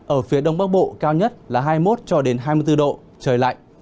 ở phía đông bắc bộ cao nhất là hai mươi một hai mươi bốn độ trời lạnh